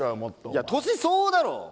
いや年相応だろ。